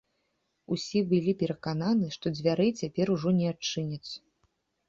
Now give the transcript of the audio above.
Усе былі перакананы, што дзвярэй цяпер ужо не адчыняць.